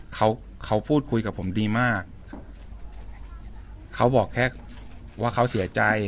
เขาเขาพูดคุยกับผมดีมากครับเขาบอกแค่ว่าเขาเสียใจ